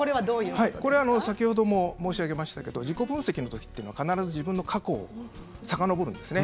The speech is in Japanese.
先ほども申し上げましたけど自己分析の時は必ず自分の過去をさかのぼるんですね。